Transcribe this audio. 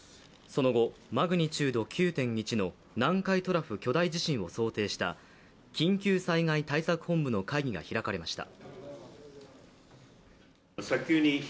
その後、マグニチュード９．１の南海トラフ巨大地震を想定した緊急災害対策本部の会議が開かれました。